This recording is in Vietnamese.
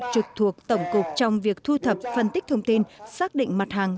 trực thuộc tổng cục trong việc thu thập phân tích thông tin xác định mặt hàng